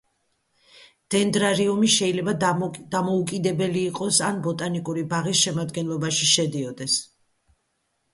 დენდრარიუმი შეიძლება დამოუკიდებელი იყოს ან ბოტანიკური ბაღის შემადგენლობაში შედიოდეს.